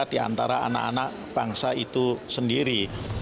di antara anak anak bangsa itu sendiri